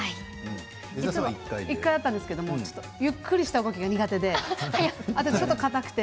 １回あったんですけどゆっくりした動きが苦手であと硬くて。